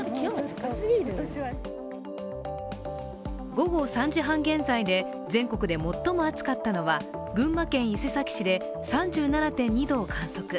午後３時半現在で全国で最も暑かったのは群馬県伊勢崎市で３７．２度を観測。